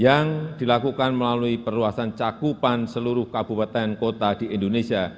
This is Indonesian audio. yang dilakukan melalui perluasan cakupan seluruh kabupaten kota di indonesia